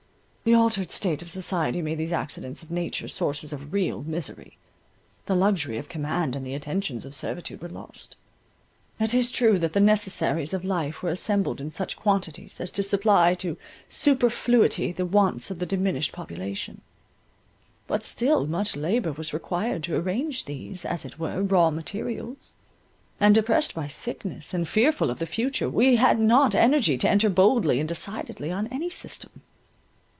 The altered state of society made these accidents of nature, sources of real misery. The luxury of command and the attentions of servitude were lost. It is true that the necessaries of life were assembled in such quantities, as to supply to superfluity the wants of the diminished population; but still much labour was required to arrange these, as it were, raw materials; and depressed by sickness, and fearful of the future, we had not energy to enter boldly and decidedly on any system.